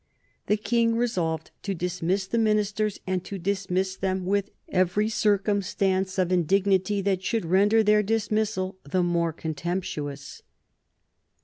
The King resolved to dismiss the ministers, and to dismiss them with every circumstance of indignity that should render their dismissal the more contemptuous.